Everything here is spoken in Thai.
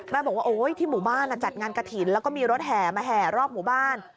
บอกว่าโอ้ยที่หมู่บ้านจัดงานกระถิ่นแล้วก็มีรถแห่มาแห่รอบหมู่บ้าน